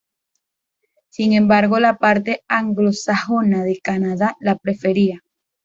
Sin embargo, la parte anglosajona de Canadá la prefería.